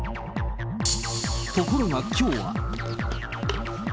ところがきょう。